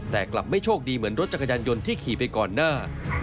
แต่กลับไม่โชคดีเหมือนรถจักรยานยนต์ที่ขี่ไปก่อนหน้า